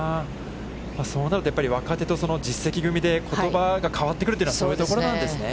そうなると若手の実績組で、言葉が変わってくるというのはそういうところなんですね。